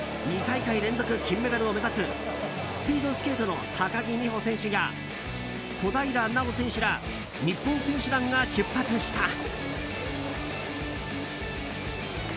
２大会連続金メダルを目指すスピードスケートの高木美帆選手や小平奈緒選手ら日本選手団が出発した。